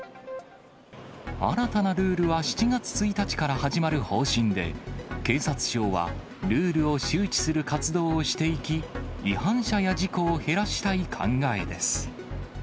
新たなルールは７月１日から始まる方針で、警察庁は、ルールを周知する活動をしていき、違反者や事故を減らしたい考えです。